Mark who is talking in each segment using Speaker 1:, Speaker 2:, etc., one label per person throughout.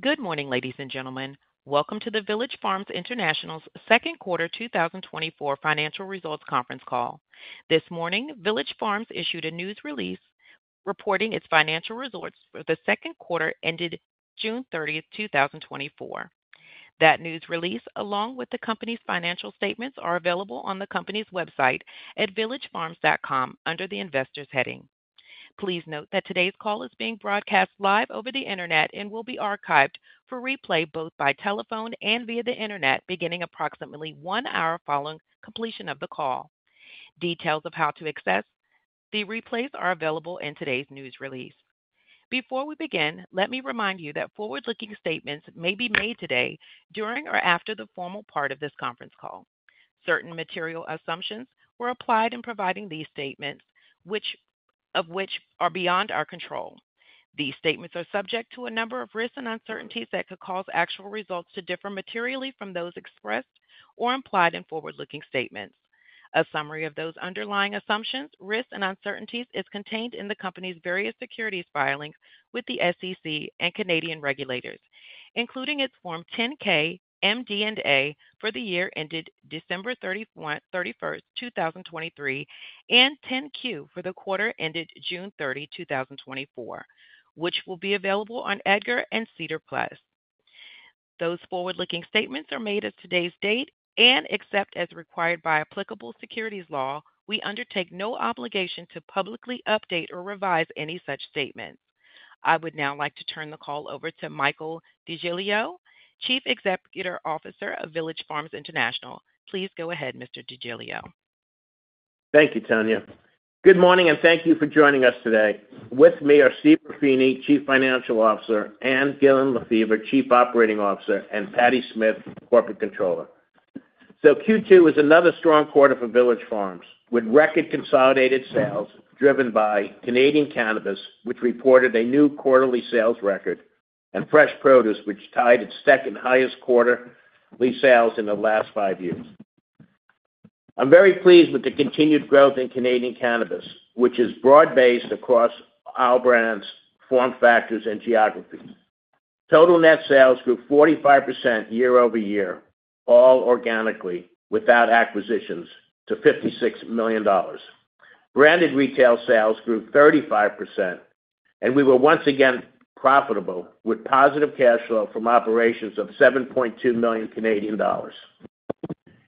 Speaker 1: Good morning, ladies and gentlemen. Welcome to the Village Farms International's Second Quarter 2024 Financial Results Conference Call. This morning, Village Farms issued a news release reporting its financial results for the second quarter ended June 30th, 2024. That news release, along with the company's financial statements, are available on the company's website at villagefarms.com under the Investors heading. Please note that today's call is being broadcast live over the internet and will be archived for replay both by telephone and via the internet, beginning approximately one hour following completion of the call. Details of how to access the replays are available in today's news release. Before we begin, let me remind you that forward-looking statements may be made today during or after the formal part of this conference call. Certain material assumptions were applied in providing these statements, which of which are beyond our control. These statements are subject to a number of risks and uncertainties that could cause actual results to differ materially from those expressed or implied in forward-looking statements. A summary of those underlying assumptions, risks and uncertainties is contained in the company's various securities filings with the SEC and Canadian regulators, including its Form 10-K, MD&A for the year ended December 31, 2023, and 10-Q for the quarter ended June 30, 2024, which will be available on EDGAR and SEDAR+. Those forward-looking statements are made as of today's date, and except as required by applicable securities law, we undertake no obligation to publicly update or revise any such statements. I would now like to turn the call over to Michael DeGiglio, Chief Executive Officer of Village Farms International. Please go ahead, Mr. DeGiglio.
Speaker 2: Thank you, Tanya. Good morning, and thank you for joining us today. With me are Steve Ruffini, Chief Financial Officer, Ann Gillin Lefever, Chief Operating Officer, and Patti Smith, Corporate Controller. So Q2 was another strong quarter for Village Farms, with record consolidated sales driven by Canadian cannabis, which reported a new quarterly sales record, and fresh produce, which tied its second-highest quarterly sales in the last five years. I'm very pleased with the continued growth in Canadian cannabis, which is broad-based across our brands, form factors and geographies. Total net sales grew 45% year-over-year, all organically without acquisitions, to $56 million. Branded retail sales grew 35%, and we were once again profitable, with positive cash flow from operations of 7.2 million Canadian dollars.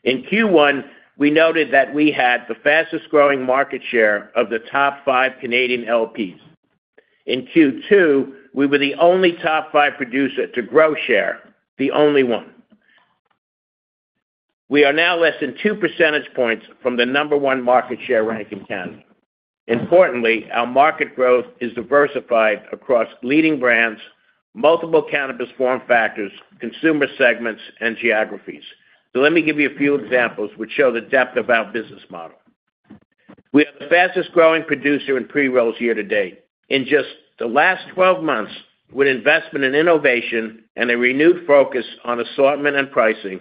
Speaker 2: In Q1, we noted that we had the fastest-growing market share of the top five Canadian LPs. In Q2, we were the only top five producer to grow share, the only one. We are now less than two percentage points from the number one market share rank in Canada. Importantly, our market growth is diversified across leading brands, multiple cannabis form factors, consumer segments, and geographies. So let me give you a few examples which show the depth of our business model. We are the fastest-growing producer in pre-rolls year to date. In just the last 12 months, with investment in innovation and a renewed focus on assortment and pricing,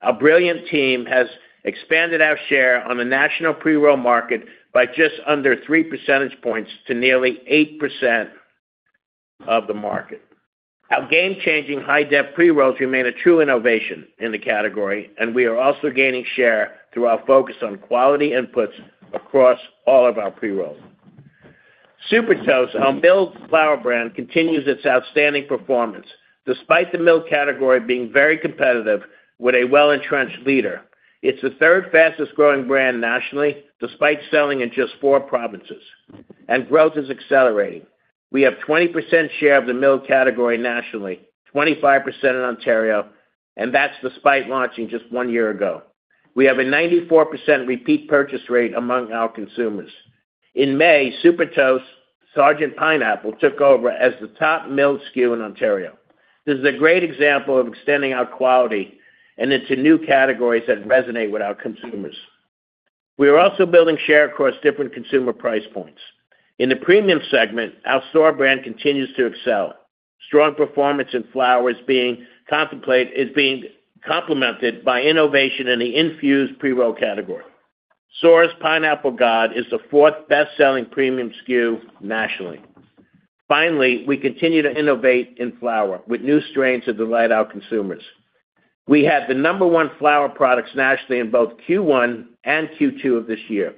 Speaker 2: our brilliant team has expanded our share on the national pre-roll market by just under three percentage points to nearly 8% of the market. Our game-changing Hi-Def Pre-Rolls remain a true innovation in the category, and we are also gaining share through our focus on quality inputs across all of our pre-rolls. Super Toast, our milled flower brand, continues its outstanding performance, despite the milled category being very competitive with a well-entrenched leader. It's the third fastest-growing brand nationally, despite selling in just four provinces, and growth is accelerating. We have 20% share of the milled category nationally, 25% in Ontario, and that's despite launching just one year ago. We have a 94% repeat purchase rate among our consumers. In May, Super Toast Sgt. Pineapple took over as the top milled SKU in Ontario. This is a great example of extending our quality and into new categories that resonate with our consumers. We are also building share across different consumer price points. In the premium segment, our Soar brand continues to excel. Strong performance in flower is being complemented by innovation in the infused pre-roll category. Soar's Pineapple God is the fourth best-selling premium SKU nationally. Finally, we continue to innovate in flower, with new strains that delight our consumers. We have the number one flower products nationally in both Q1 and Q2 of this year.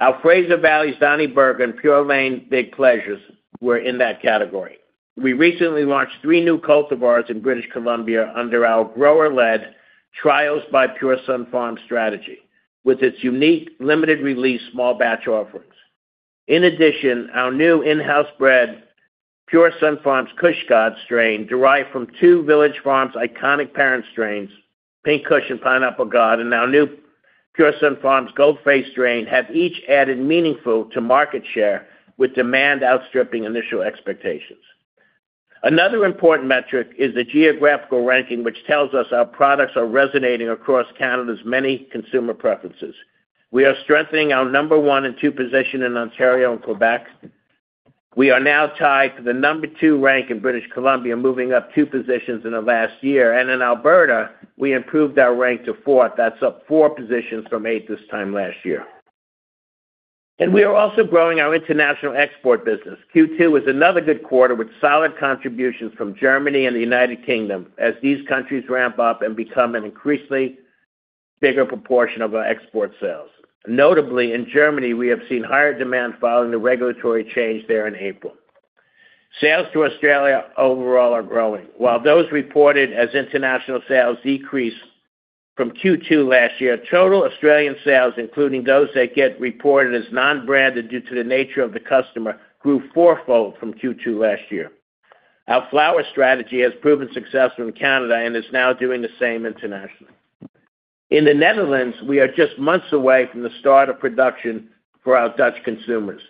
Speaker 2: Our Fraser Valley's Donny Burger, Pure Laine Big Pleasures were in that category. We recently launched three new cultivars in British Columbia under our grower-led trials by Pure Sunfarms strategy, with its unique, limited release, small batch offerings. In addition, our new in-house bred Pure Sunfarms Kush God strain, derived from two Village Farms iconic parent strains, Pink Kush and Pineapple God, and our new Pure Sunfarms Gold Face strain, have each added meaningfully to market share with demand outstripping initial expectations. Another important metric is the geographical ranking, which tells us our products are resonating across Canada's many consumer preferences. We are strengthening our number one and two position in Ontario and Quebec. We are now tied for the number two rank in British Columbia, moving up 2 positions in the last year. In Alberta, we improved our rank to fourth. That's up four positions from eight this time last year. We are also growing our international export business. Q2 was another good quarter, with solid contributions from Germany and the United Kingdom, as these countries ramp up and become an increasingly bigger proportion of our export sales. Notably, in Germany, we have seen higher demand following the regulatory change there in April. Sales to Australia overall are growing. While those reported as international sales decreased from Q2 last year, total Australian sales, including those that get reported as non-branded due to the nature of the customer, grew fourfold from Q2 last year. Our flower strategy has proven successful in Canada and is now doing the same internationally. In the Netherlands, we are just months away from the start of production for our Dutch consumers.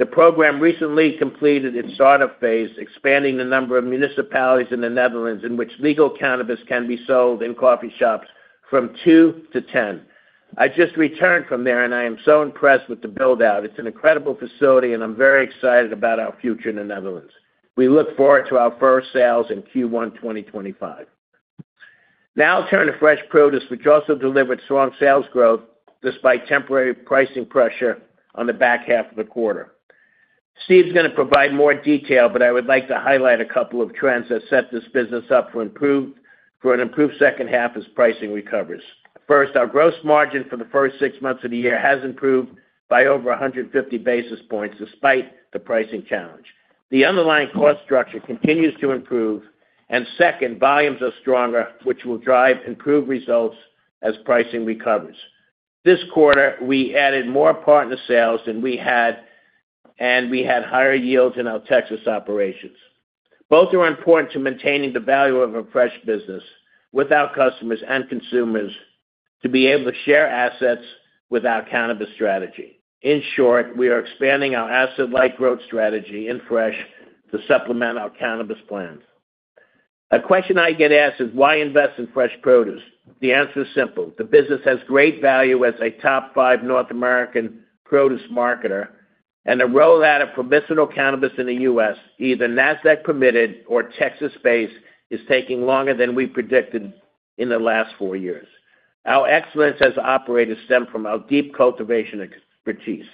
Speaker 2: The program recently completed its startup phase, expanding the number of municipalities in the Netherlands in which legal cannabis can be sold in coffee shops from two to 10. I just returned from there, and I am so impressed with the build-out. It's an incredible facility, and I'm very excited about our future in the Netherlands. We look forward to our first sales in Q1 2025. Now I'll turn to fresh produce, which also delivered strong sales growth, despite temporary pricing pressure on the back half of the quarter. Steve's gonna provide more detail, but I would like to highlight a couple of trends that set this business up for an improved second half as pricing recovers. First, our gross margin for the first six months of the year has improved by over 150 basis points, despite the pricing challenge. The underlying cost structure continues to improve, and second, volumes are stronger, which will drive improved results as pricing recovers. This quarter, we added more partner sales than we had, and we had higher yields in our Texas operations. Both are important to maintaining the value of a fresh business with our customers and consumers to be able to share assets with our cannabis strategy. In short, we are expanding our asset-light growth strategy in fresh to supplement our cannabis plans. A question I get asked is: Why invest in fresh produce? The answer is simple: The business has great value as a top five North American produce marketer, and the rollout of permissible cannabis in the U.S., either Nasdaq-permitted or Texas-based, is taking longer than we predicted in the last four years. Our excellence as an operator stem from our deep cultivation expertise.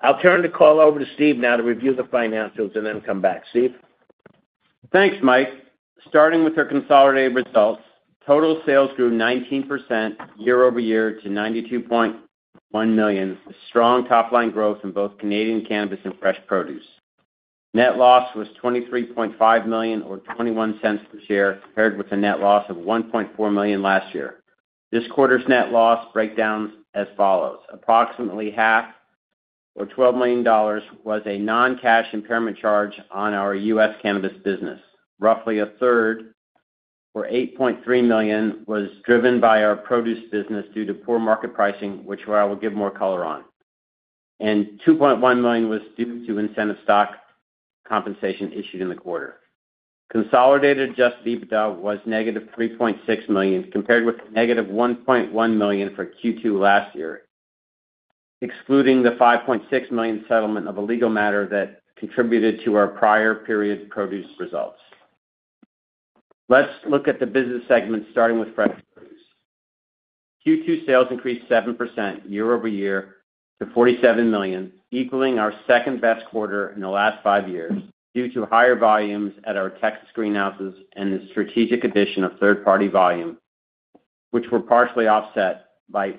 Speaker 2: I'll turn the call over to Steve now to review the financials and then come back. Steve?
Speaker 3: Thanks, Mike. Starting with our consolidated results, total sales grew 19% year-over-year to $92.1 million, strong top-line growth in both Canadian cannabis and fresh produce. Net loss was $23.5 million, or $0.21 per share, compared with a net loss of $1.4 million last year. This quarter's net loss breaks down as follows: approximately half, or $12 million, was a non-cash impairment charge on our U.S. cannabis business. Roughly 1/3, or $8.3 million, was driven by our produce business due to poor market pricing, which I will give more color on. And $2.1 million was due to incentive stock compensation issued in the quarter. Consolidated Adjusted EBITDA was -$3.6 million, compared with -$1.1 million for Q2 last year, excluding the $5.6 million settlement of a legal matter that contributed to our prior period's produce results. Let's look at the business segment, starting with fresh produce. Q2 sales increased 7% year-over-year to $47 million, equaling our second-best quarter in the last five years, due to higher volumes at our Texas greenhouses and the strategic addition of third-party volume, which were partially offset by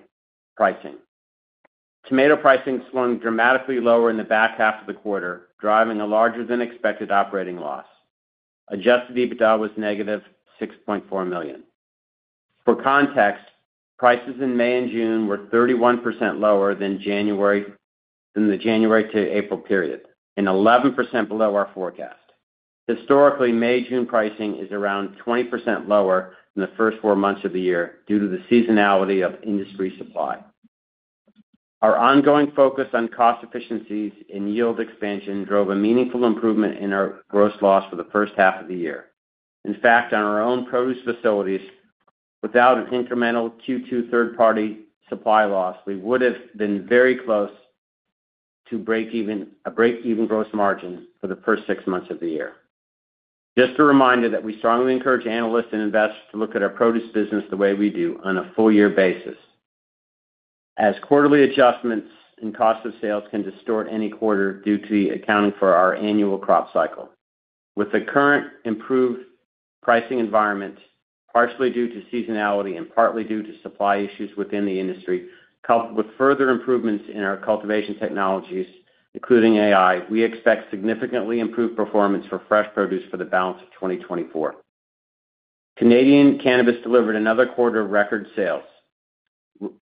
Speaker 3: pricing. Tomato pricing swung dramatically lower in the back half of the quarter, driving a larger-than-expected operating loss. Adjusted EBITDA was -$6.4 million. For context, prices in May and June were 31% lower than the January to April period, and 11% below our forecast. Historically, May-June pricing is around 20% lower than the first four months of the year due to the seasonality of industry supply. Our ongoing focus on cost efficiencies and yield expansion drove a meaningful improvement in our gross loss for the first half of the year. In fact, on our own produce facilities, without an incremental Q2 third-party supply loss, we would have been very close to break-even, a break-even gross margin for the first six months of the year. Just a reminder that we strongly encourage analysts and investors to look at our produce business the way we do, on a full year basis, as quarterly adjustments and cost of sales can distort any quarter due to accounting for our annual crop cycle. With the current improved pricing environment, partially due to seasonality and partly due to supply issues within the industry, coupled with further improvements in our cultivation technologies, including AI, we expect significantly improved performance for fresh produce for the balance of 2024. Canadian cannabis delivered another quarter of record sales,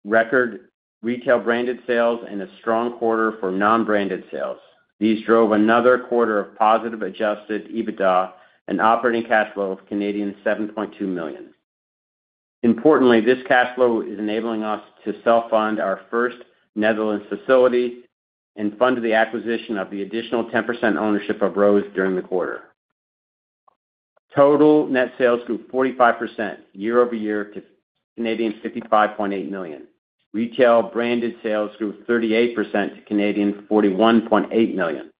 Speaker 3: record retail branded sales, and a strong quarter for non-branded sales. These drove another quarter of positive Adjusted EBITDA and operating cash flow of 7.2 million. Importantly, this cash flow is enabling us to self-fund our first Netherlands facility and fund the acquisition of the additional 10% ownership of Rose during the quarter. Total net sales grew 45% year-over-year to 55.8 million. Retail branded sales grew 38% to 41.8 million.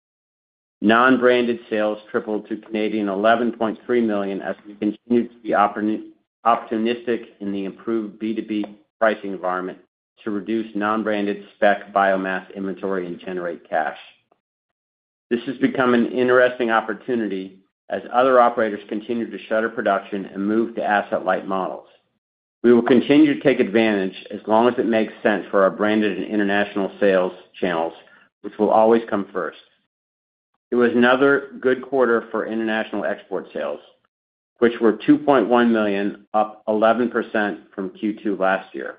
Speaker 3: Non-branded sales tripled to 11.3 million as we continued to be opportunistic in the improved B2B pricing environment to reduce non-branded spec biomass inventory and generate cash. This has become an interesting opportunity as other operators continue to shutter production and move to asset-light models. We will continue to take advantage as long as it makes sense for our branded and international sales channels, which will always come first. It was another good quarter for international export sales, which were 2.1 million, up 11% from Q2 last year.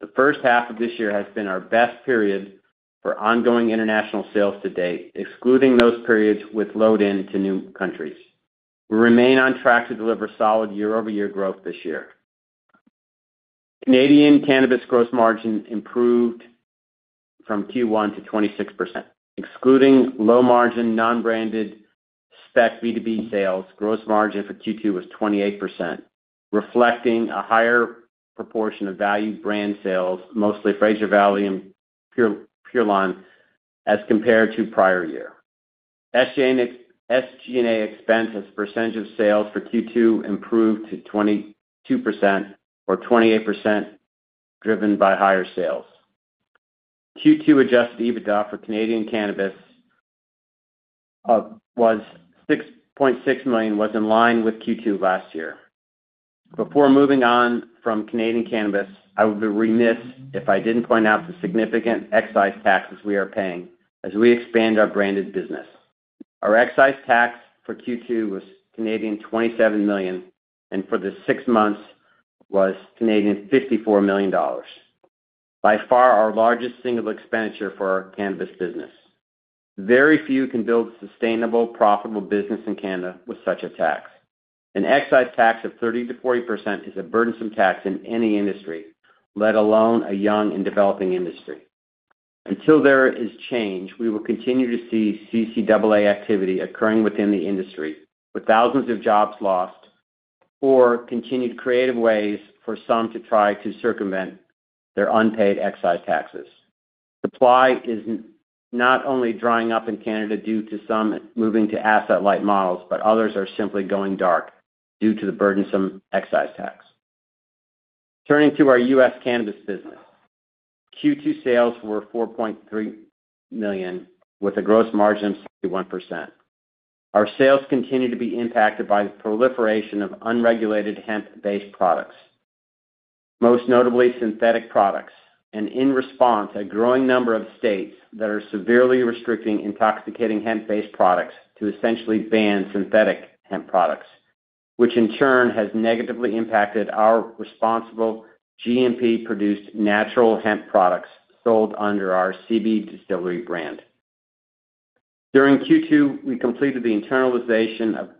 Speaker 3: The first half of this year has been our best period for ongoing international sales to date, excluding those periods with load-in to new countries. We remain on track to deliver solid year-over-year growth this year. Canadian cannabis gross margin improved from Q1 to 26%. Excluding low-margin, non-branded spec B2B sales, gross margin for Q2 was 28%, reflecting a higher proportion of value brand sales, mostly Fraser Valley and Pure Sunfarms, as compared to prior year. SG&A expense as a percentage of sales for Q2 improved to 22% or 28%, driven by higher sales. Q2 adjusted EBITDA for Canadian cannabis was $6.6 million, was in line with Q2 last year. Before moving on from Canadian cannabis, I would be remiss if I didn't point out the significant excise taxes we are paying as we expand our branded business. Our excise tax for Q2 was 27 million, and for the six months was 54 million dollars. By far, our largest single expenditure for our cannabis business. Very few can build a sustainable, profitable business in Canada with such a tax. An excise tax of 30%-40% is a burdensome tax in any industry, let alone a young and developing industry. Until there is change, we will continue to see CCAA activity occurring within the industry, with thousands of jobs lost or continued creative ways for some to try to circumvent their unpaid excise taxes. Supply is not only drying up in Canada due to some moving to asset-light models, but others are simply going dark due to the burdensome excise tax. Turning to our U.S. cannabis business. Q2 sales were 4.3 million, with a gross margin of 31%. Our sales continue to be impacted by the proliferation of unregulated hemp-based products, most notably synthetic products, and in response, a growing number of states that are severely restricting intoxicating hemp-based products to essentially ban synthetic hemp products, which in turn has negatively impacted our responsible, GMP-produced, natural hemp products sold under our CBDistillery brand. During Q2, we completed the internalization of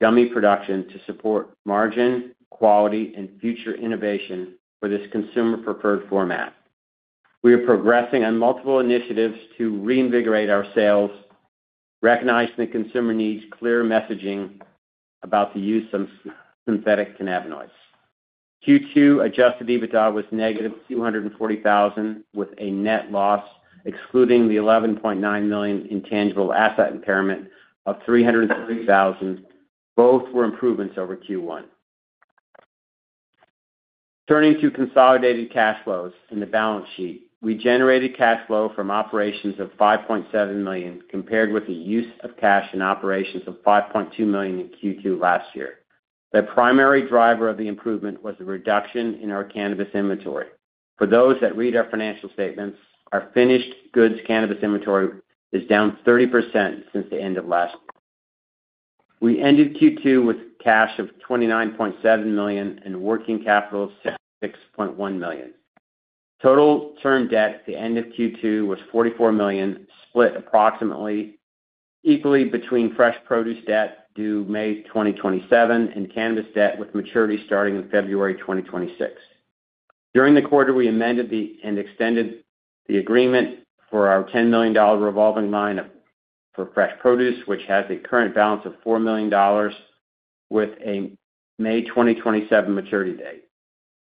Speaker 3: gummy production to support margin, quality, and future innovation for this consumer-preferred format. We are progressing on multiple initiatives to reinvigorate our sales, recognizing that consumer needs clear messaging about the use of synthetic cannabinoids. Q2 adjusted EBITDA was negative 240,000, with a net loss, excluding the $11.9 million intangible asset impairment of 330,000. Both were improvements over Q1. Turning to consolidated cash flows and the balance sheet. We generated cash flow from operation of 5.7 million, compared with the use of cash in operations of $5.2 million in Q2 last year. The primary driver of the improvement was a reduction in our cannabis inventory. For those that read our financial statements, our finished goods cannabis inventory is down 30% since the end of last year. We ended Q2 with cash of 29.7 million and working capital of 6.1 million. Total term debt at the end of Q2 was 44 million, split approximately equally between fresh produce debt due May 2027 and cannabis debt, with maturity starting in February 2026. During the quarter, we amended and extended the agreement for our $10 million revolving line for fresh produce, which has a current balance of $4 million with a May 2027 maturity date.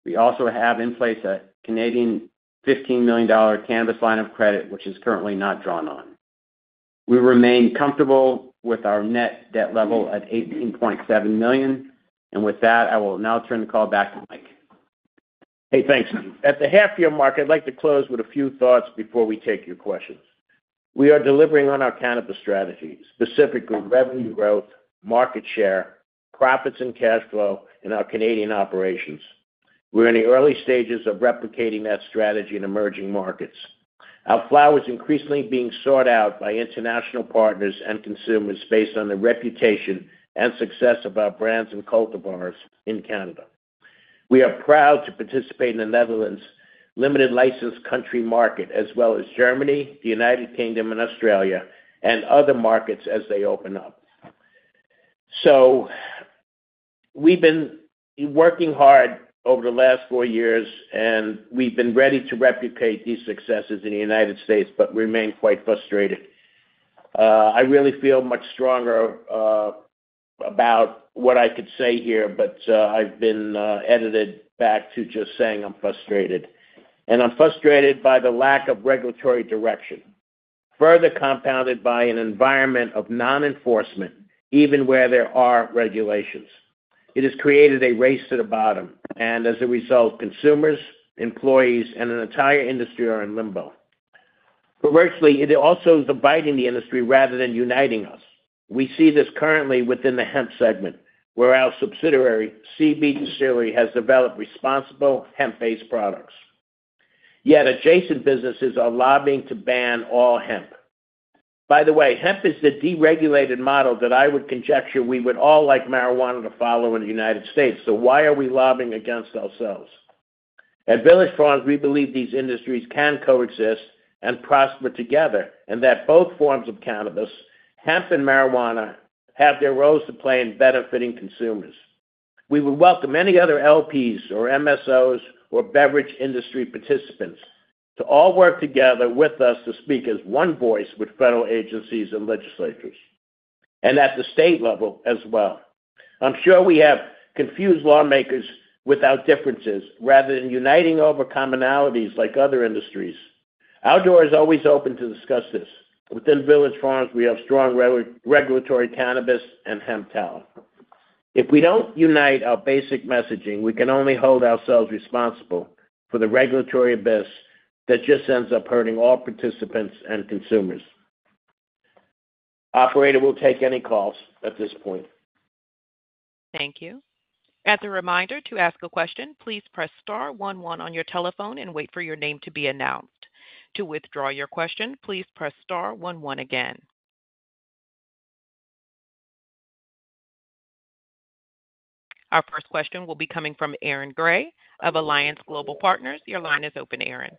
Speaker 3: We also have in place a 15 million Canadian dollars cannabis line of credit, which is currently not drawn on. We remain comfortable with our net debt level at 18.7 million. And with that, I will now turn the call back to Mike.
Speaker 2: Hey, thanks, Steve. At the half-year mark, I'd like to close with a few thoughts before we take your questions. We are delivering on our cannabis strategy, specifically revenue growth, market share, profits and cash flow in our Canadian operations. We're in the early stages of replicating that strategy in emerging markets. Our flower is increasingly being sought out by international partners and consumers based on the reputation and success of our brands and cultivars in Canada. We are proud to participate in the Netherlands' limited license country market, as well as Germany, the United Kingdom, and Australia, and other markets as they open up. We've been working hard over the last four years, and we've been ready to replicate these successes in the United States, but remain quite frustrated. I really feel much stronger. about what I could say here, but, I've been edited back to just saying I'm frustrated. And I'm frustrated by the lack of regulatory direction, further compounded by an environment of non-enforcement, even where there are regulations. It has created a race to the bottom, and as a result, consumers, employees, and an entire industry are in limbo. Perversely, it also is dividing the industry rather than uniting us. We see this currently within the hemp segment, where our subsidiary, CBDistillery, has developed responsible hemp-based products. Yet adjacent businesses are lobbying to ban all hemp. By the way, hemp is the deregulated model that I would conjecture we would all like marijuana to follow in the United States, so why are we lobbying against ourselves? At Village Farms, we believe these industries can coexist and prosper together, and that both forms of cannabis, hemp and marijuana, have their roles to play in benefiting consumers. We would welcome any other LPs or MSOs or beverage industry participants to all work together with us to speak as one voice with federal agencies and legislatures, and at the state level as well. I'm sure we have confused lawmakers with our differences rather than uniting over commonalities like other industries. Our door is always open to discuss this. Within Village Farms, we have strong regulatory cannabis and hemp talent. If we don't unite our basic messaging, we can only hold ourselves responsible for the regulatory abyss that just ends up hurting all participants and consumers. Operator, we'll take any calls at this point.
Speaker 1: Thank you. As a reminder, to ask a question, please press star one one on your telephone and wait for your name to be announced. To withdraw your question, please press star one one again. Our first question will be coming from Aaron Grey of Alliance Global Partners. Your line is open, Aaron.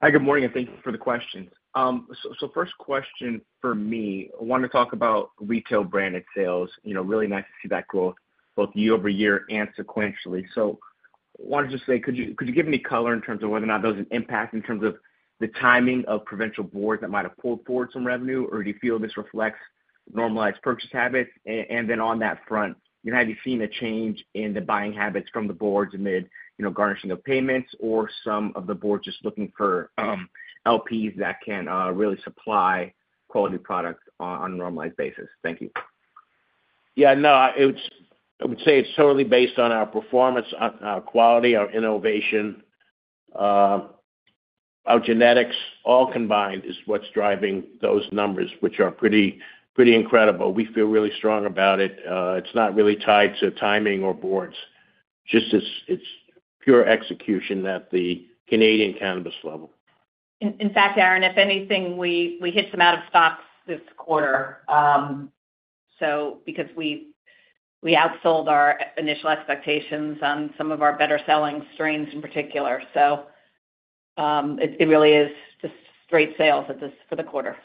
Speaker 4: Hi, good morning, and thank you for the questions. So first question for me, I want to talk about retail-branded sales. You know, really nice to see that growth both year-over-year and sequentially. So I wanted to just say, could you, could you give any color in terms of whether or not there was an impact in terms of the timing of provincial boards that might have pulled forward some revenue, or do you feel this reflects normalized purchase habits? And then on that front, you know, have you seen a change in the buying habits from the boards amid, you know, garnishing of payments or some of the boards just looking for LPs that can really supply quality products on a normalized basis? Thank you.
Speaker 2: Yeah, no, it's. I would say it's totally based on our performance, on our quality, our innovation, our genetics, all combined is what's driving those numbers, which are pretty, pretty incredible. We feel really strong about it. It's not really tied to timing or boards, just it's, it's pure execution at the Canadian cannabis level.
Speaker 5: In fact, Aaron, if anything, we hit some out of stocks this quarter. So because we outsold our initial expectations on some of our better-selling strains in particular. So, it really is just great sales at this for the quarter.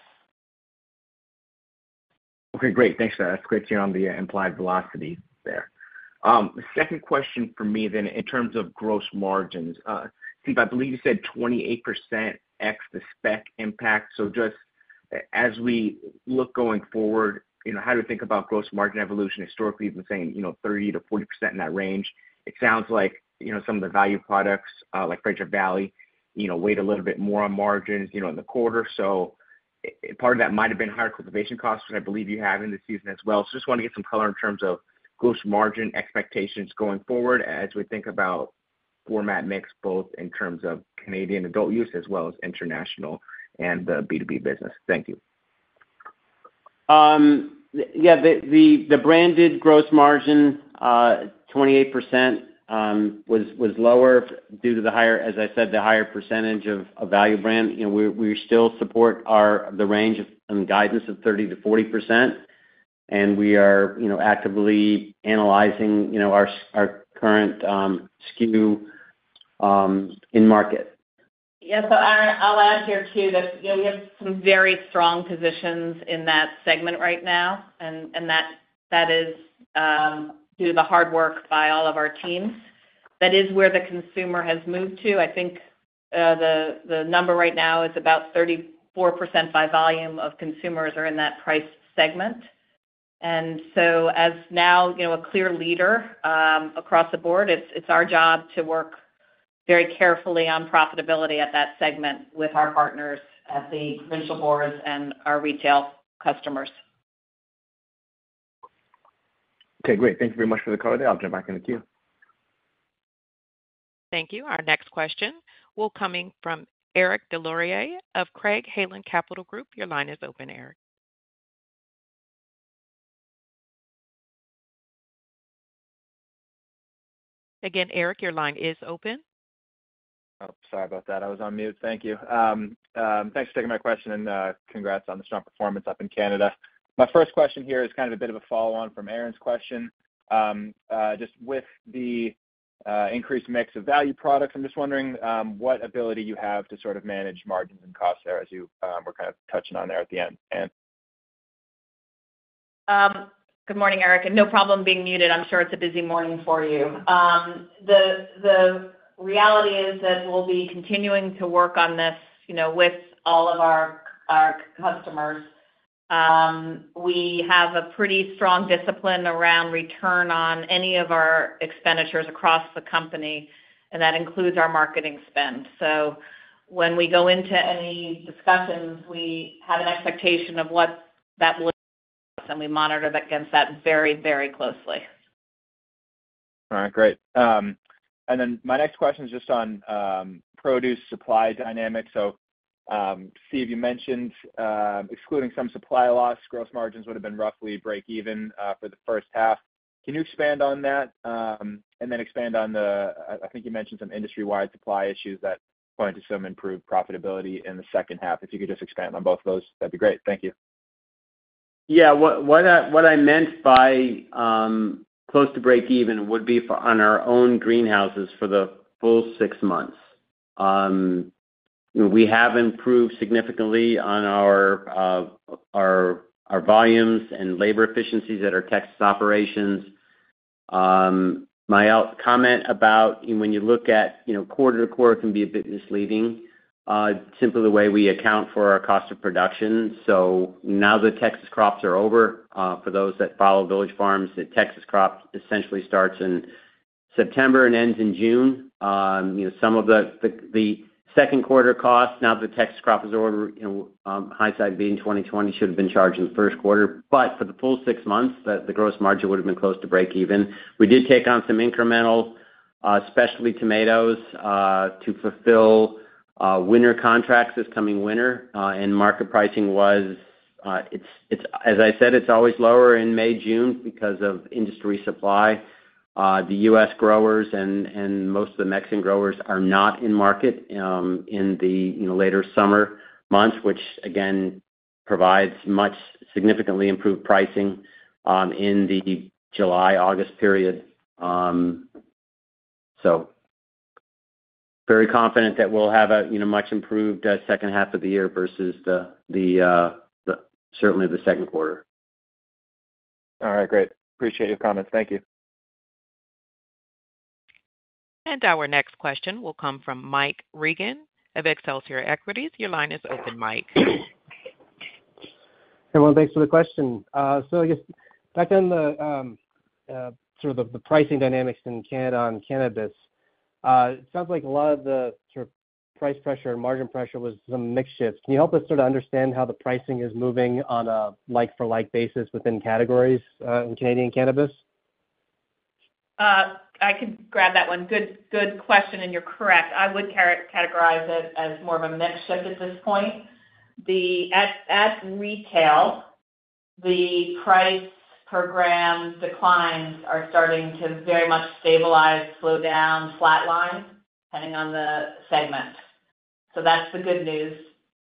Speaker 4: Okay, great. Thanks for that. It's great to hear on the implied velocity there. The second question for me then, in terms of gross margins, Steve, I believe you said 28% ex the spec impact. So just as we look going forward, you know, how do we think about gross margin evolution? Historically, you've been saying, you know, 30%-40% in that range. It sounds like, you know, some of the value products, like Fraser Valley, you know, weighed a little bit more on margins, you know, in the quarter. So part of that might have been higher cultivation costs than I believe you have in this season as well. Just want to get some color in terms of gross margin expectations going forward as we think about format mix, both in terms of Canadian adult use as well as international and the B2B business. Thank you.
Speaker 3: Yeah, the branded gross margin, 28%, was lower due to the higher, as I said, the higher percentage of value brand. You know, we still support our the range of guidance of 30%-40%, and we are, you know, actively analyzing, you know, our current SKU in market.
Speaker 5: Yeah, so, Aaron, I'll add here, too, that, you know, we have some very strong positions in that segment right now, and that is due to the hard work by all of our teams. That is where the consumer has moved to. I think, the number right now is about 34% by volume of consumers are in that price segment. And so as now, you know, a clear leader, across the board, it's our job to work very carefully on profitability at that segment with our partners at the provincial boards and our retail customers.
Speaker 4: Okay, great. Thank you very much for the call. I'll jump back in the queue.
Speaker 1: Thank you. Our next question will come from Eric Des Lauriers of Craig-Hallum Capital Group. Your line is open, Eric. Again, Eric, your line is open.
Speaker 6: Oh, sorry about that. I was on mute. Thank you. Thanks for taking my question, and congrats on the strong performance up in Canada. My first question here is kind of a bit of a follow-on from Aaron's question. Just with the increased mix of value products, I'm just wondering what ability you have to sort of manage margins and costs there as you were kind of touching on there at the end, Ann?
Speaker 5: Good morning, Eric, and no problem being muted. I'm sure it's a busy morning for you. The reality is that we'll be continuing to work on this, you know, with all of our customers. We have a pretty strong discipline around return on any of our expenditures across the company, and that includes our marketing spend. So when we go into any discussions, we have an expectation of what that looks like, and we monitor that against that very, very closely.
Speaker 6: All right, great. And then my next question is just on produce supply dynamics. So, Steve, you mentioned excluding some supply loss, gross margins would have been roughly break even for the first half. Can you expand on that? And then expand on the. I think you mentioned some industry-wide supply issues that point to some improved profitability in the second half. If you could just expand on both of those, that'd be great. Thank you.
Speaker 3: Yeah, what I meant by close to break even would be for our own greenhouses for the full six months. We have improved significantly on our volumes and labor efficiencies at our Texas operations. My comment about when you look at, you know, quarter to quarter, can be a bit misleading, simply the way we account for our cost of production. So now the Texas crops are over, for those that follow Village Farms, the Texas crop essentially starts in September and ends in June. You know, some of the second quarter costs, now the Texas crop is over, you know, hindsight being 20/20, should have been charged in the first quarter. But for the full six months, the gross margin would have been close to break even. We did take on some incremental, especially tomatoes, to fulfill winter contracts this coming winter. And market pricing was, it's – as I said, it's always lower in May, June because of industry supply. The U.S. growers and most of the Mexican growers are not in market, you know, in the later summer months, which, again, provides much significantly improved pricing in the July, August period. So very confident that we'll have a, you know, much improved second half of the year versus the second quarter, certainly.
Speaker 6: All right, great. Appreciate your comments. Thank you.
Speaker 1: And our next question will come from Mike Regan of Excelsior Equities. Your line is open, Mike.
Speaker 7: Hey, well, thanks for the question. So I guess back then, sort of the pricing dynamics in Canada on cannabis. It sounds like a lot of the sort of price pressure and margin pressure was some mix shifts. Can you help us sort of understand how the pricing is moving on a like-for-like basis within categories, in Canadian cannabis?
Speaker 5: I could grab that one. Good, good question, and you're correct. I would categorize it as more of a mix shift at this point. The at retail, the price per gram declines are starting to very much stabilize, slow down, flatline, depending on the segment. So that's the good news.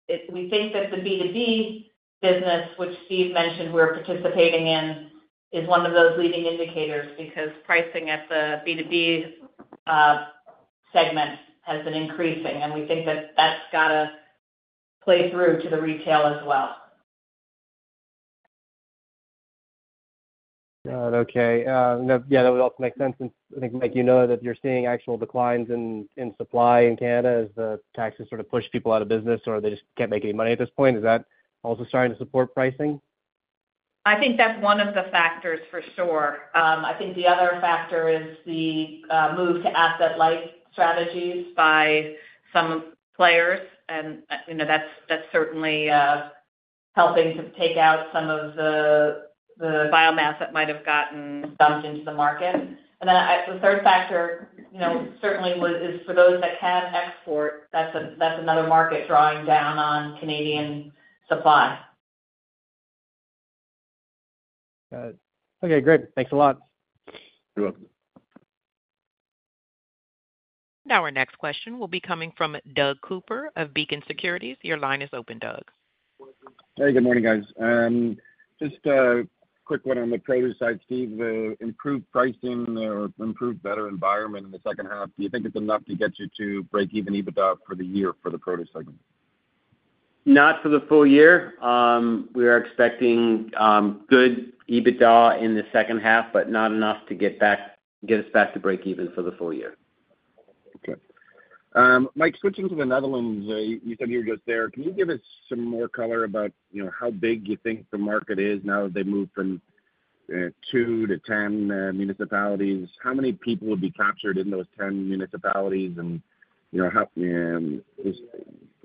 Speaker 5: It we think that the B2B business, which Steve mentioned we're participating in, is one of those leading indicators, because pricing at the B2B segment has been increasing, and we think that that's got to play through to the retail as well.
Speaker 7: Got it. Okay, yeah, that would also make sense. And I think, Mike, you know that you're seeing actual declines in supply in Canada as the taxes sort of push people out of business, or they just can't make any money at this point. Is that also starting to support pricing?
Speaker 5: I think that's one of the factors, for sure. I think the other factor is the move to asset light strategies by some players, and, you know, that's certainly helping to take out some of the biomass that might have gotten dumped into the market. And then, the third factor, you know, certainly was, is for those that can export, that's another market drawing down on Canadian supply.
Speaker 7: Got it. Okay, great. Thanks a lot.
Speaker 3: You're welcome.
Speaker 1: Now, our next question will be coming from Doug Cooper of Beacon Securities. Your line is open, Doug.
Speaker 8: Hey, good morning, guys. Just a quick one on the produce side, Steve. The improved pricing or improved better environment in the second half, do you think it's enough to get you to break even EBITDA for the year for the produce segment?
Speaker 3: Not for the full year. We are expecting good EBITDA in the second half, but not enough to get us back to break even for the full year.
Speaker 8: Okay. Mike, switching to the Netherlands, you said you were just there. Can you give us some more color about, you know, how big you think the market is now that they've moved from two to 10 municipalities? How many people would be captured in those 10 municipalities? And, you know, how, just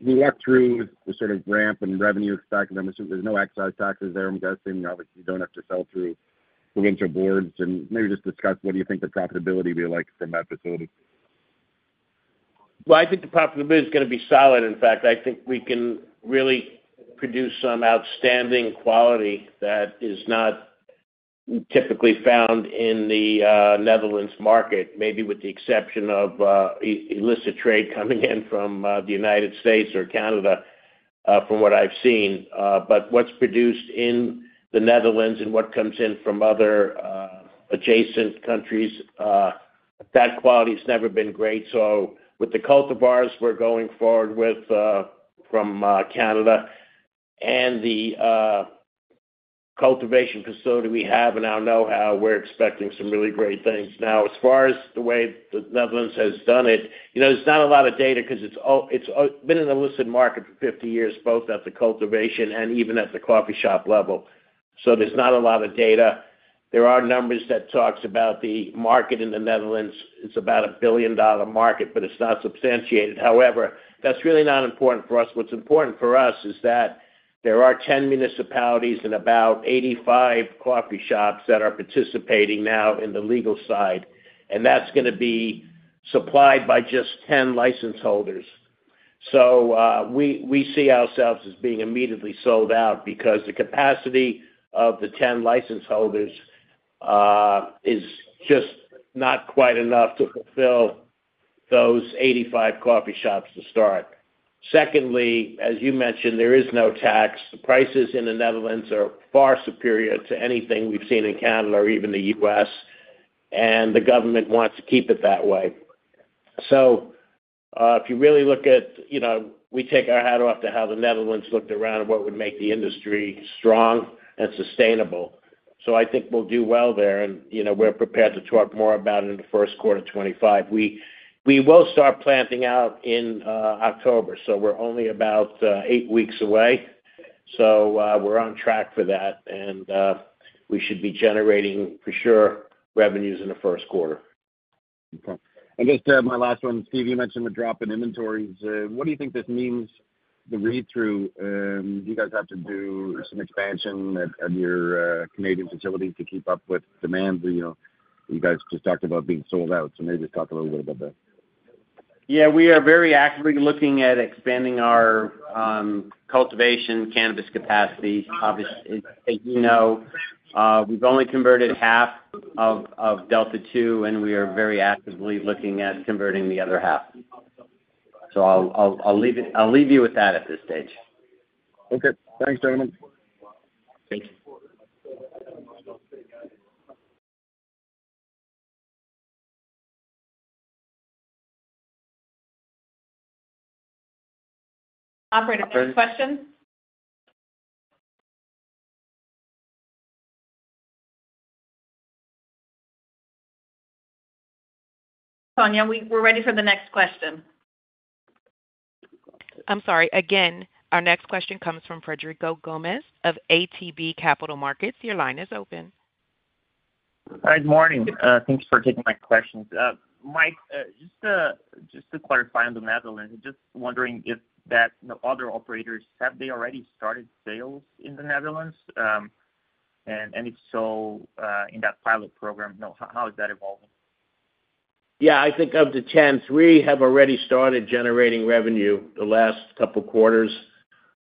Speaker 8: walk through the sort of ramp and revenue expectations. I'm assuming there's no excise taxes there. I'm guessing obviously, you don't have to sell through provincial boards. And maybe just discuss what do you think the profitability will be like from that facility?
Speaker 2: Well, I think the profitability is gonna be solid. In fact, I think we can really produce some outstanding quality that is not typically found in the Netherlands market, maybe with the exception of illicit trade coming in from the United States or Canada, from what I've seen. But what's produced in the Netherlands and what comes in from other,... adjacent countries, that quality's never been great. So with the cultivars we're going forward with, from, Canada, and the, cultivation facility we have and our know-how, we're expecting some really great things. Now, as far as the way the Netherlands has done it, you know, there's not a lot of data because it's all-- it's, been an illicit market for 50 years, both at the cultivation and even at the coffee shop level. So there's not a lot of data. There are numbers that talks about the market in the Netherlands. It's about a billion-dollar market, but it's not substantiated. However, that's really not important for us. What's important for us is that there are 10 municipalities and about 85 coffee shops that are participating now in the legal side, and that's gonna be supplied by just 10 license holders. So, we see ourselves as being immediately sold out because the capacity of the 10 license holders is just not quite enough to fulfill those 85 coffee shops to start. Secondly, as you mentioned, there is no tax. The prices in the Netherlands are far superior to anything we've seen in Canada or even the U.S., and the government wants to keep it that way. So, if you really look at, you know, we take our hat off to how the Netherlands looked around at what would make the industry strong and sustainable. So I think we'll do well there, and, you know, we're prepared to talk more about it in the first quarter of 2025. We will start planting out in October, so we're only about eight weeks away. We're on track for that, and we should be generating, for sure, revenues in the first quarter.
Speaker 8: Okay. I guess my last one, Steve. You mentioned the drop in inventories. What do you think this means, the read-through? Do you guys have to do some expansion at your Canadian facility to keep up with demand? You know, you guys just talked about being sold out, so maybe just talk a little bit about that.
Speaker 3: Yeah, we are very actively looking at expanding our cultivation cannabis capacity. Obviously, as you know, we've only converted half of Delta 2, and we are very actively looking at converting the other half. So I'll leave it. I'll leave you with that at this stage.
Speaker 8: Okay. Thanks very much.
Speaker 3: Thank you.
Speaker 5: Operator, next question? Tanya, we're ready for the next question.
Speaker 1: I'm sorry. Again, our next question comes from Frederico Gomes of ATB Capital Markets. Your line is open.
Speaker 9: Hi, good morning. Thanks for taking my questions. Mike, just to, just to clarify on the Netherlands, just wondering if that, you know, other operators, have they already started sales in the Netherlands? And, and if so, in that pilot program, you know, how is that evolving?
Speaker 2: Yeah, I think of the 10, three have already started generating revenue the last couple quarters,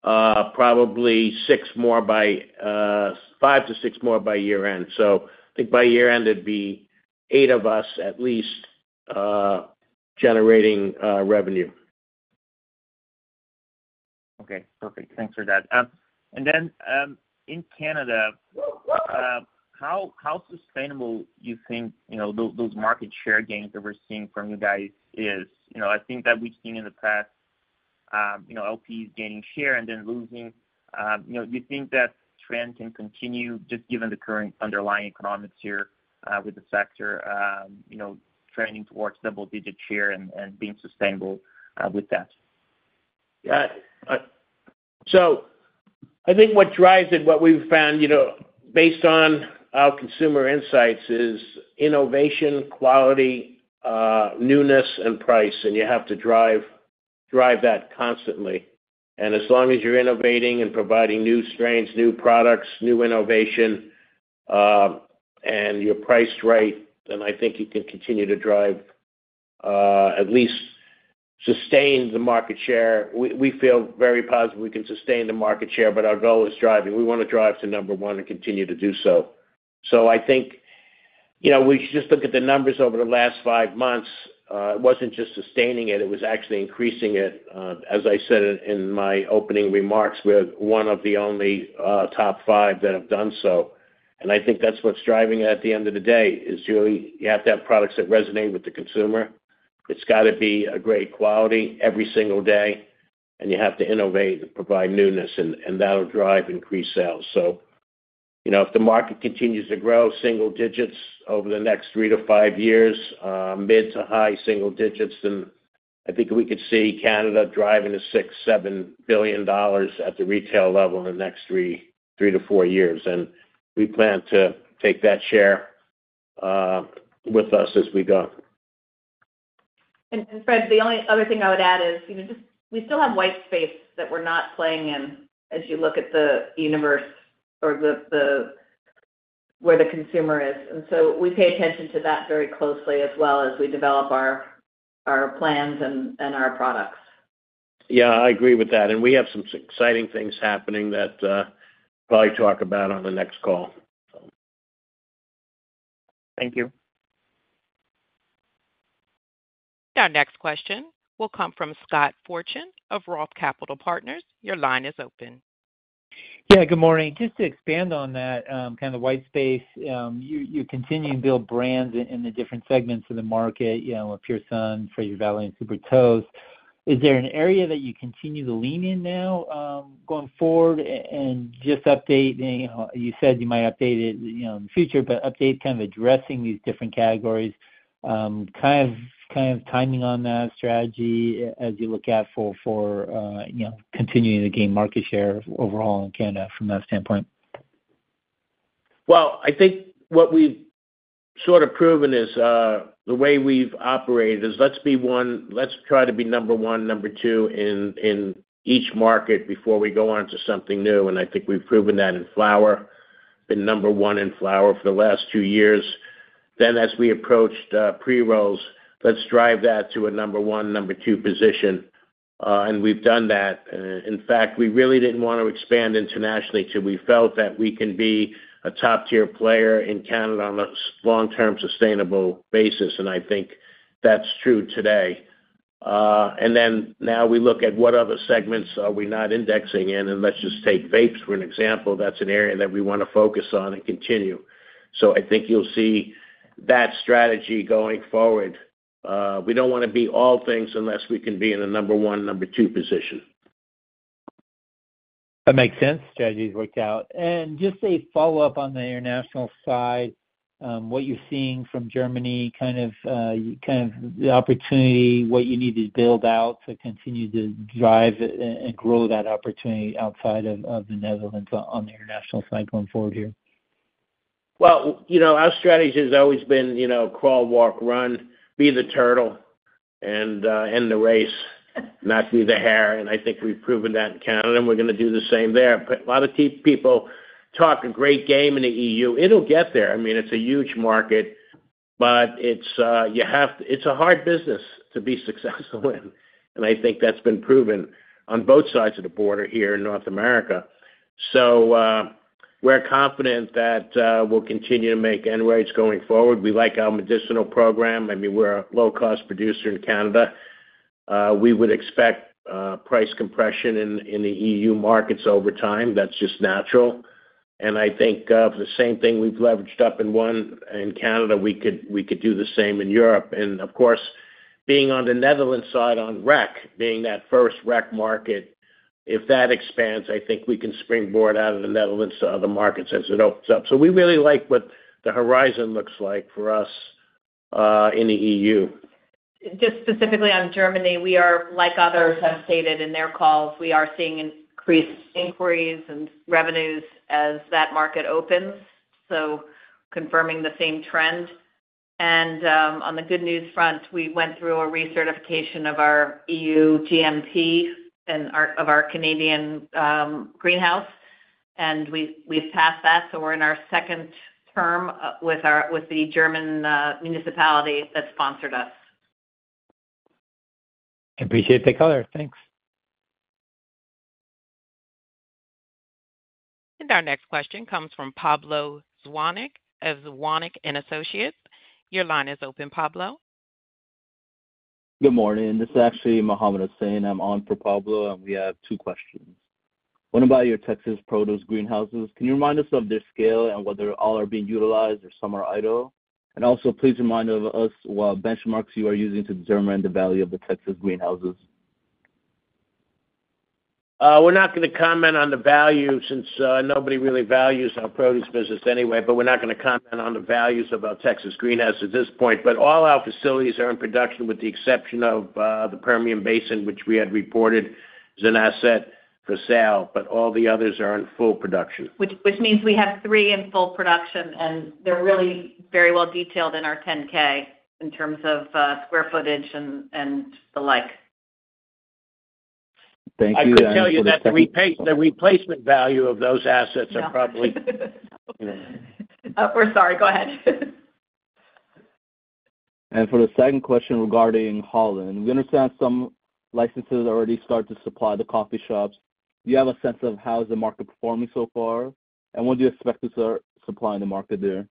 Speaker 2: probably five to six more by year-end. So I think by year-end, it'd be eight of us, at least, generating revenue.
Speaker 9: Okay, perfect. Thanks for that. And then, in Canada, how sustainable do you think, you know, those market share gains that we're seeing from you guys is? You know, I think that we've seen in the past, you know, LPs gaining share and then losing. You know, do you think that trend can continue just given the current underlying economics here, with the sector, you know, trending towards double-digit share and, and being sustainable, with that?
Speaker 2: Yeah. So I think what drives it, what we've found, you know, based on our consumer insights, is innovation, quality, newness, and price, and you have to drive, drive that constantly. And as long as you're innovating and providing new strains, new products, new innovation, and you're priced right, then I think you can continue to drive, at least sustain the market share. We feel very positive we can sustain the market share, but our goal is driving. We want to drive to number one and continue to do so. So I think, you know, we just look at the numbers over the last five months, it wasn't just sustaining it, it was actually increasing it. As I said in my opening remarks, we're one of the only top five that have done so. I think that's what's driving it at the end of the day, is really, you have to have products that resonate with the consumer. It's got to be a great quality every single day, and you have to innovate and provide newness, and that'll drive increased sales. So, you know, if the market continues to grow single digits over the next three to five years, mid- to high-single digits, then I think we could see Canada driving to 6 billion-7 billion dollars at the retail level in the next three to four years. And we plan to take that share with us as we go.
Speaker 5: Fred, the only other thing I would add is, you know, just we still have white space that we're not playing in as you look at the universe or the where the consumer is. And so we pay attention to that very closely as well as we develop our plans and our products.
Speaker 3: Yeah, I agree with that, and we have some exciting things happening that, probably talk about on the next call.
Speaker 9: Thank you.
Speaker 1: Our next question will come from Scott Fortune of Roth Capital Partners. Your line is open.
Speaker 10: Yeah, good morning. Just to expand on that, kind of white space, you continue to build brands in the different segments of the market, you know, with Pure Sun, Fraser Valley, and Super Toast. Is there an area that you continue to lean in now, going forward? And just update, you know, you said you might update it, you know, in the future, but update kind of addressing these different categories, kind of, kind of timing on that strategy as you look out for, you know, continuing to gain market share overall in Canada from that standpoint.
Speaker 2: Well, I think what we've sort of proven is the way we've operated is let's be one—let's try to be number one, number two, in each market before we go on to something new, and I think we've proven that in flower. Been number one in flower for the last two years. Then, as we approached pre-rolls, let's drive that to a number one, number two position, and we've done that. In fact, we really didn't want to expand internationally till we felt that we can be a top-tier player in Canada on a long-term, sustainable basis, and I think that's true today. And then now we look at what other segments are we not indexing in, and let's just take vapes, for an example, that's an area that we want to focus on and continue. So I think you'll see that strategy going forward. We don't want to be all things unless we can be in a number one, number two position.
Speaker 10: That makes sense. Strategy's worked out. And just a follow-up on the international side, what you're seeing from Germany, kind of, kind of the opportunity, what you need to build out to continue to drive and grow that opportunity outside of, of the Netherlands on, on the international side going forward here?
Speaker 2: Well, you know, our strategy has always been, you know, crawl, walk, run, be the turtle, and win the race, not be the hare, and I think we've proven that in Canada, and we're gonna do the same there. But a lot of people talk a great game in the EU. It'll get there. I mean, it's a huge market, but it's you have. It's a hard business to be successful in, and I think that's been proven on both sides of the border here in North America. So, we're confident that we'll continue to make inroads going forward. We like our medicinal program. I mean, we're a low-cost producer in Canada. We would expect price compression in the EU markets over time. That's just natural. I think the same thing we've leveraged up in Ontario, in Canada, we could do the same in Europe. And of course, being on the Netherlands side, on rec, being that first rec market, if that expands, I think we can springboard out of the Netherlands to other markets as it opens up. So we really like what the horizon looks like for us in the EU.
Speaker 5: Just specifically on Germany, we are, like others have stated in their calls, we are seeing increased inquiries and revenues as that market opens, so confirming the same trend. On the good news front, we went through a recertification of our EU GMP and our Canadian greenhouse, and we've passed that, so we're in our second term with the German municipality that sponsored us.
Speaker 10: Appreciate the color. Thanks.
Speaker 1: Our next question comes from Pablo Zuanic of Zuanic & Associates. Your line is open, Pablo.
Speaker 11: Good morning. This is actually Mohammed Hossain. I'm on for Pablo, and we have two questions. What about your Texas produce greenhouses? Can you remind us of their scale and whether all are being utilized or some are idle? And also, please remind of us what benchmarks you are using to determine the value of the Texas greenhouses.
Speaker 2: We're not gonna comment on the value, since nobody really values our produce business anyway, but we're not gonna comment on the values of our Texas greenhouse at this point. But all our facilities are in production, with the exception of the Permian Basin, which we had reported as an asset for sale, but all the others are in full production.
Speaker 5: Which means we have three in full production, and they're really very well detailed in our 10-K in terms of square footage and the like.
Speaker 11: Thank you.
Speaker 2: I could tell you that the replacement value of those assets are probably-
Speaker 5: Yeah. We're sorry. Go ahead.
Speaker 11: For the second question regarding Holland, we understand some licenses already start to supply the coffee shops. Do you have a sense of how is the market performing so far, and what do you expect to start supplying the market there?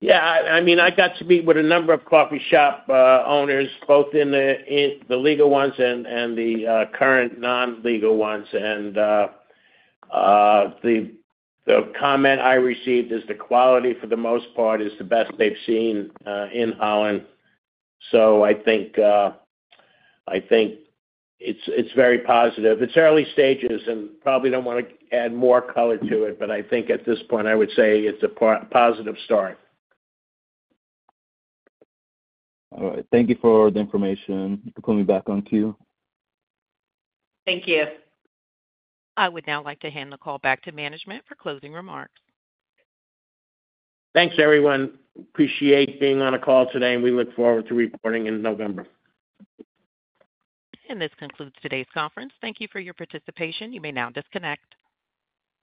Speaker 2: Yeah, I mean, I got to meet with a number of coffee shop owners, both in the legal ones and the current non-legal ones. And the comment I received is the quality, for the most part, is the best they've seen in Holland. So I think it's very positive. It's early stages, and probably don't wanna add more color to it, but I think at this point I would say it's a positive start.
Speaker 11: All right. Thank you for the information. You can put me back on queue.
Speaker 5: Thank you.
Speaker 1: I would now like to hand the call back to management for closing remarks.
Speaker 2: Thanks, everyone. Appreciate being on a call today, and we look forward to reporting in November.
Speaker 1: This concludes today's conference. Thank you for your participation. You may now disconnect.